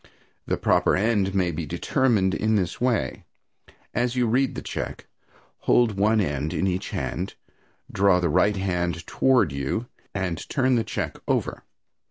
The proper end may be determined in this way: As you read the check, holding one end in each hand, draw the right hand toward you, and turn the check over.